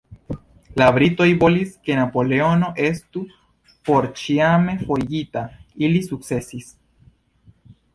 La Britoj volis ke Napoleono estu porĉiame forigita; ili sukcesis.